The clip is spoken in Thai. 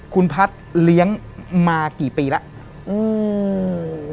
คุณพัฒน์เลี้ยงมากี่ปีแล้วอืม